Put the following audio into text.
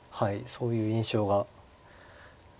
そういう印象が。